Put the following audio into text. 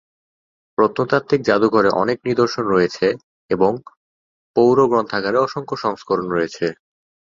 প্রত্নতাত্ত্বিক জাদুঘরে অনেক নিদর্শন রয়েছে এবং পৌর গ্রন্থাগারে অসংখ্য সংস্করণ রয়েছে।